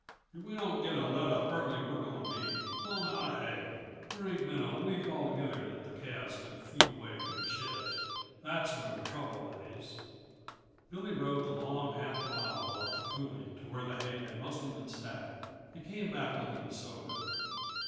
If we don't get a let up early we're going to be plumb out uh hay. There ain't been a week all together that the calves could feed away from the sheds. That's where the trouble lays." Billy rode the long half mile up the coulée to where the hay had mostly been stacked, and came back looking sober.